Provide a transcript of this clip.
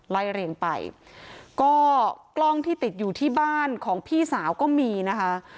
ไล่เรียงไปก็กล้องที่ติดอยู่ที่บ้านของพี่สาวก็มีนะคะ